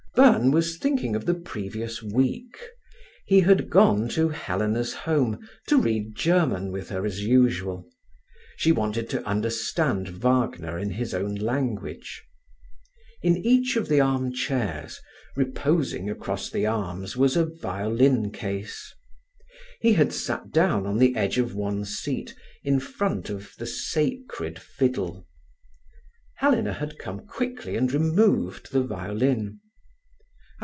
Byrne was thinking of the previous week. He had gone to Helena's home to read German with her as usual. She wanted to understand Wagner in his own language. In each of the arm chairs, reposing across the arms, was a violin case. He had sat down on the edge of one seat in front of the sacred fiddle. Helena had come quickly and removed the violin.